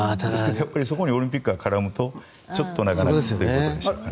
そこにオリンピックが絡むとなかなかってところでしょうかね。